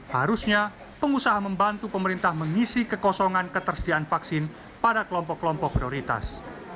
harusnya pengusaha membantu pemerintah mengisi kekosongan ketersediaan vaksin pada kelompok kelompok prioritas